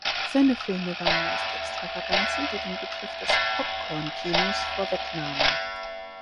Seine Filme waren meist Extravaganzen, die den Begriff des „Popcorn-Kinos“ vorwegnahmen.